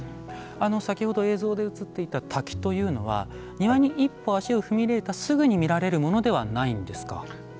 先ほど映像で映っていた滝というのは庭に一歩、足を踏み入れたすぐあとに見られるものではないんですか？